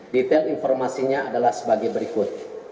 dan informasinya adalah sebagai berikut